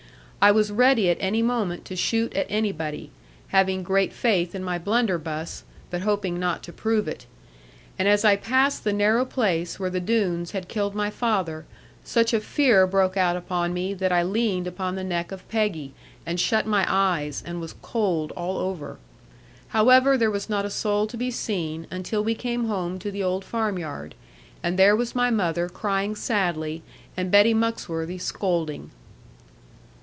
I was ready at any moment to shoot at anybody, having great faith in my blunderbuss, but hoping not to prove it. And as I passed the narrow place where the Doones had killed my father, such a fear broke out upon me that I leaned upon the neck of Peggy, and shut my eyes, and was cold all over. However, there was not a soul to be seen, until we came home to the old farmyard, and there was my mother crying sadly, and Betty Muxworthy scolding.